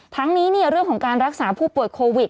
ทั้งนี้เรื่องของการรักษาผู้ป่วยโควิด